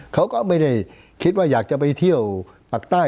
เขาก็ไม่ได้คิดว่าอยากจะไปเที่ยวปากใต้